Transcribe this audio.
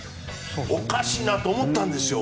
おかしいなと思ったんですよ。